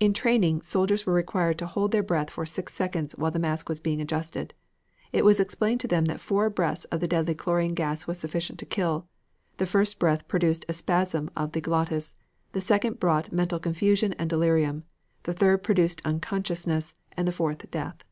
In training, soldiers were required to hold their breath for six seconds while the mask was being adjusted. It was explained to them that four breaths of the deadly chlorine gas was sufficient to kill; the first breath produced a spasm of the glottis; the second brought mental confusion and delirium; the third produced unconsciousness; and the fourth, death.